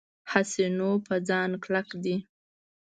حسینو په ځان کلک دی.